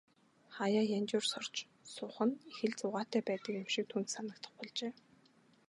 Хааяа янжуур сорж суух нь их л зугаатай юм шиг түүнд санагдах болжээ.